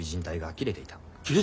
切れていた！？